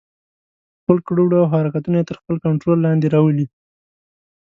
ټول کړه وړه او حرکتونه يې تر خپل کنټرول لاندې راولي.